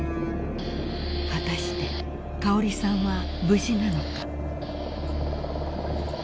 ［果たして香織さんは無事なのか］